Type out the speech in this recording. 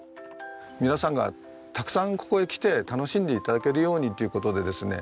皆さんがたくさんここへ来て楽しんで頂けるようにという事でですね